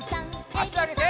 あしあげて。